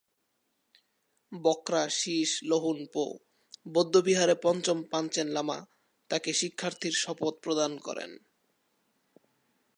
ব্ক্রা-শিস-ল্হুন-পো বৌদ্ধবিহারে পঞ্চম পাঞ্চেন লামা তাকে শিক্ষার্থীর শপথ প্রদান করেন।